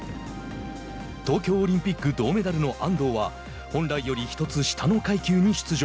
東京オリンピック銅メダルの安藤は本来より１つ下の階級に出場。